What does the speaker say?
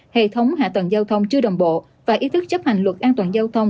hệ thống hạ tầng giao thông chưa đồng bộ và ý thức chấp hành luật an toàn giao thông